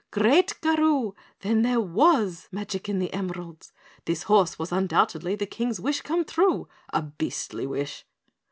"Great Garoo! Then there was magic in the emeralds. This horse was undoubtedly the King's wish come true, a beastly wish!"